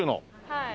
はい。